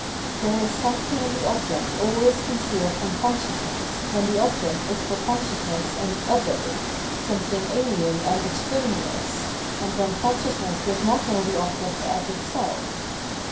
There is something in the object always concealed from consciousness when the object is for consciousness an '' other,'' something ahen and extraneous, and when consciousness does not know the object as its self.